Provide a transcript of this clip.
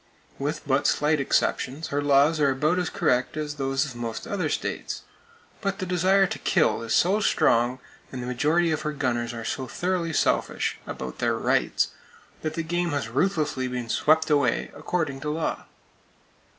With but slight exceptions her laws are about as correct as those of most other states, but the desire to "kill" is so strong, and the majority of her gunners are so thoroughly selfish about their "rights" [Page 294] that the game has ruthlessly been swept away according to law!